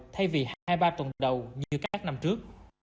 thay vì hai ba tuần đầu như các năm trước